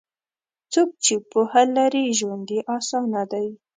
څوک چې پوهه لري، ژوند یې اسانه دی.